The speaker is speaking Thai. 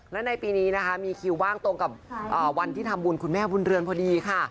และในปีนี้นะคะมีคิวว่างตรงกับวันที่ทำบุญคุณแม่บุญเรือนพอดีค่ะ